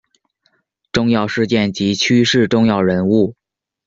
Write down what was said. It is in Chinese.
重要事件及趋势重要人物